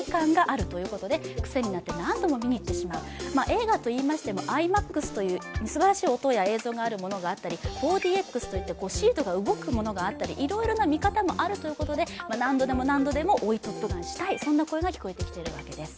映画といいましても、ＩＭＡＸというすばらしい音や映像があるものがあったり４ＤＸといって、シートが動くものもあったりしていろいろな見方もあるということで何度でも何度でも追いトップガンしたいという声が聞こえてくるわけです。